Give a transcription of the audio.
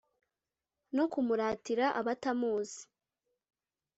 no kumuratira abatamuzi